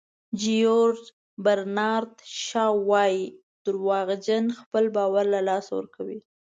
جیورج برنارد شاو وایي دروغجن خپل باور له لاسه ورکوي.